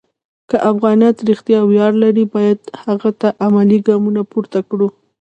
که افغانیت رښتیا ویاړ لري، باید هغه ته عملي ګامونه پورته کړو.